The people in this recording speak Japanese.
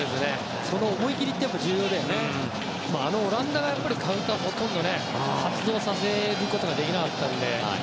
その思い切りってあのオランダがカウンターをほとんど発動することができなかったので。